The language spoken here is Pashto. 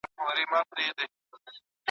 یو قابیل دی بل هابیل سره جنګیږي